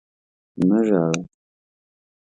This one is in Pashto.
مه ژاړه!